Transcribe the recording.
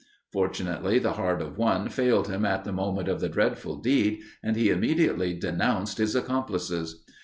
Fortunately, the heart of one failed him at the moment of the dreadful deed, and he immediately denounced his accomplices.